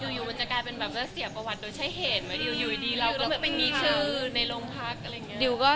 อยู่มันจะกลายเป็นแบบว่าเสียประวัติโดยใช้เหตุไหมอยู่ดีเราก็ไปมีชื่อในโรงพักอะไรอย่างนี้